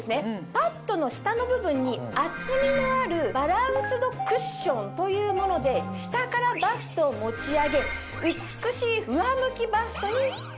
パットの下の部分に厚みのあるバランスドクッションというもので下からバストを持ち上げ美しい上向きバストにしてるんです。